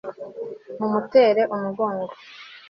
mumutera umugongo